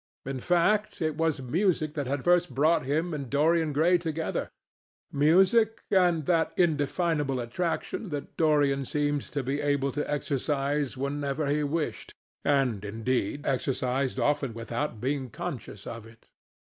In fact, it was music that had first brought him and Dorian Gray together—music and that indefinable attraction that Dorian seemed to be able to exercise whenever he wished—and, indeed, exercised often without being conscious of it.